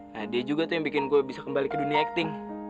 nah dia juga tuh yang bikin gue bisa kembali ke dunia acting